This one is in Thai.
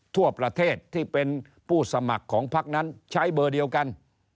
ทั่วประเทศที่เป็นผู้สมัครของพักนั้นใช้เบอร์เดียวกัน